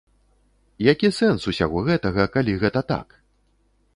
Які сэнс усяго гэтага, калі гэта так?